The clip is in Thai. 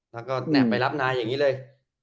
แล้วก็ไปรับนายอย่างนี้เลย